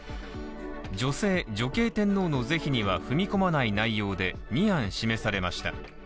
女性・女系天皇の是非には踏み込まない内容で、２案、提示されました。